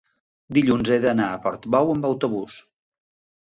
dilluns he d'anar a Portbou amb autobús.